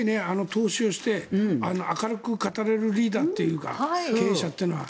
投資をして明るく語れるリーダーというか経営者というのは。